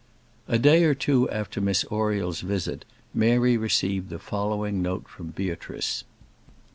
A day or two after Miss Oriel's visit, Mary received the following note from Beatrice.